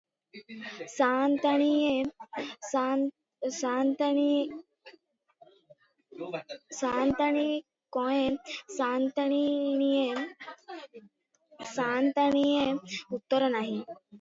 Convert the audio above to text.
ସାଆନ୍ତାଣିକଏଁ - ସାଆନ୍ତାଣିଏଁ - ସାଆନ୍ତାଣିଏଁ - ଉତ୍ତର ନାହିଁ ।